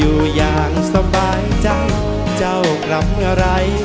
อยู่อย่างสบายใจเจ้ากลับไง